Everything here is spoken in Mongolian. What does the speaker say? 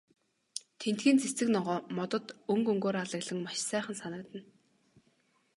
Тэндхийн цэцэг ногоо, модод өнгө өнгөөр алаглан маш сайхан санагдана.